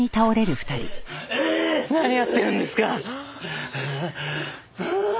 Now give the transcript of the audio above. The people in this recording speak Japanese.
何やってるんですか。